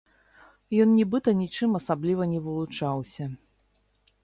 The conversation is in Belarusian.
Ён нібыта нічым асабліва не вылучаўся.